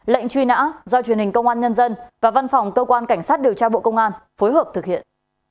lệnh truy nã do truyền hình công an nhân dân và văn phòng cơ quan cảnh sát điều tra bộ công an phối hợp thực hiện